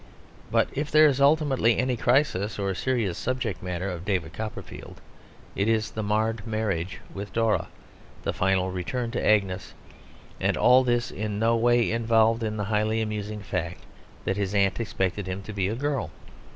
But if there is ultimately any crisis or serious subject matter of David Copperfield, it is the marred marriage with Dora, the final return to Agnes; and all this is in no way involved in the highly amusing fact that his aunt expected him to be a girl.